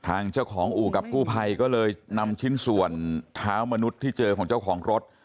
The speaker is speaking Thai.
ทางเจ้าของอู่กับกู้ภัยก็เลยนำชิ้นส่วนเท้ามนุษย์ที่เจอของเจ้าของรถ